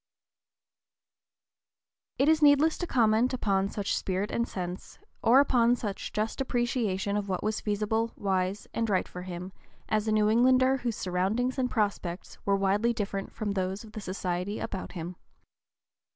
It is needless to comment upon such spirit and sense, or upon (p. 017) such just appreciation of what was feasible, wise, and right for him, as a New Englander whose surroundings and prospects were widely different from those of the society about him.